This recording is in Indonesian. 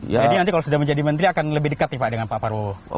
jadi nanti kalau sudah menjadi menteri akan lebih dekat dengan pak prabowo